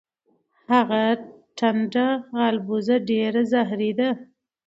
هغه ټنډه غالبوزه ډیره زهری ده.